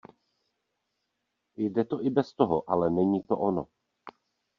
Jde to i bez toho, ale není to ono.